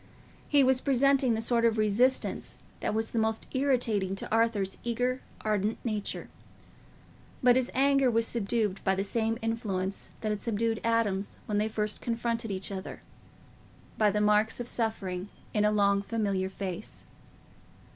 He was presenting the sort of resistance that was the most irritating to Arthur's eager ardent nature. But his anger was subdued by the same influence that had subdued Adam's when they first confronted each other—by the marks of suffering in a long familiar face.